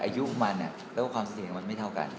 หยุดมันและความสัญญาไม่เท่ากัน